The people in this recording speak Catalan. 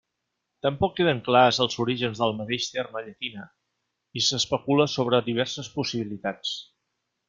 Tampoc queden clars els orígens del mateix terme llatina i s'especula sobre diverses possibilitats.